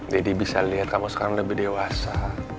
dedi bisa liat kamu sekarang lebih dewasa